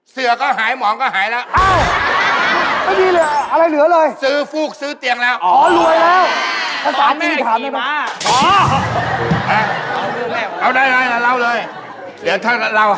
เสือก็หายหมองก็หายแล้ว